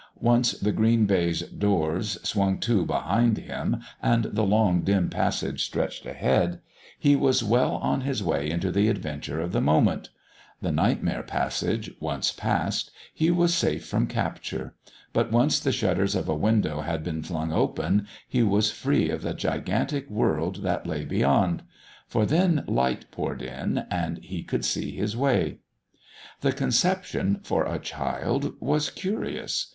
Once the green baize doors swung to behind him and the long dim passage stretched ahead, he was well on his way into the adventure of the moment; the Nightmare Passage once passed, he was safe from capture; but once the shutters of a window had been flung open, he was free of the gigantic world that lay beyond. For then light poured in and he could see his way. The conception, for a child, was curious.